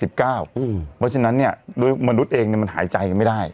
เพราะฉะนั้นเนี่ยโดยมนุษย์เองเนี่ยมันหายใจกันไม่ได้